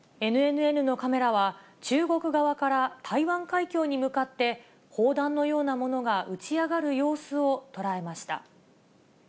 ＮＮＮのカメラは、中国側から台湾海峡に向かって、砲弾のようなものが打ち上がる様